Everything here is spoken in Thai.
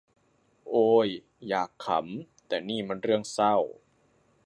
โอ้ย อยากขำ แต่นี่มันเรื่องเศร้า